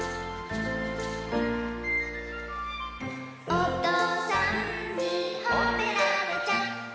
「おとうさんにほめられちゃった」